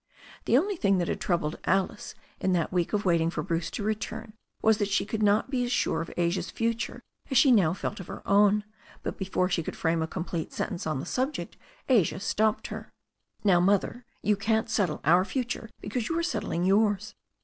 The only thing that had troubled Alice in that week of waiting for Bruce to return was that she could not be as sure of Asia's future as she now felt of her own, but before she could frame a complete sentence on the subject Asia stopped her. "Now, Mother, you can't settle our future because you are settling yours.